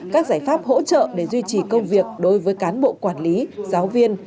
các giải pháp hỗ trợ để duy trì công việc đối với cán bộ quản lý giáo viên